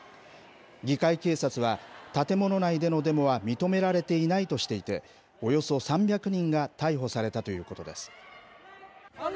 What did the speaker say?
議会警察は建物内でのデモは認められていないとしていておよそ３００人が逮捕されたということです。